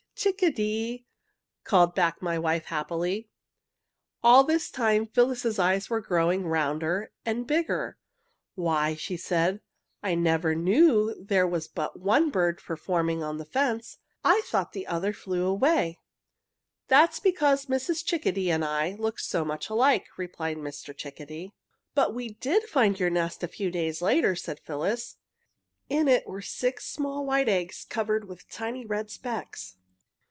Chick a dee!' called back my wife happily." All this time Phyllis's eyes were growing rounder and bigger. "Why," said she, "I never knew there was but one bird performing on the fence. I thought the other flew away!" "That was because Mrs. Chickadee and I look so much alike," replied Mr. Chickadee. "But we did find your nest a few days later," said Phyllis. "In it were six small white eggs covered with tiny red specks.